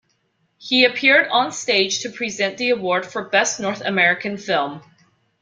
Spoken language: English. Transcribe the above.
He appeared onstage to present the award for Best North American Film.